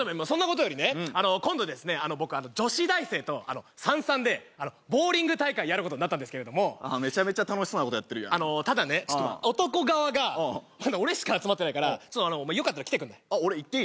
そんなことよりね今度僕女子大生と３：３でボウリング大会やることになったんですけれどもめちゃめちゃ楽しそうなことやってるやんただね男側がまだ俺しか集まってないからお前よかったら来てくんない？